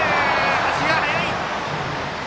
足が速い！